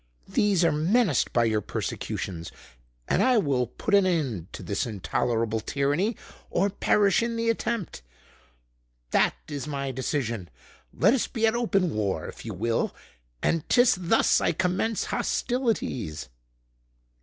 These are menaced by your persecutions: and I will put an end to this intolerable tyranny—or perish in the attempt. That is my decision. Let us be at open war, if you will: and 'tis thus I commence hostilities!"